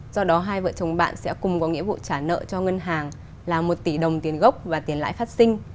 do đó hai vợ chồng bạn sẽ cùng có nghĩa vụ trả nợ cho ngân hàng là một tỷ đồng tiền gốc và tiền lãi phát sinh